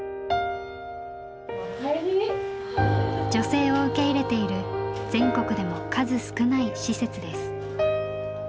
女性を受け入れている全国でも数少ない施設です。